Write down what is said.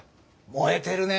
燃えてるね。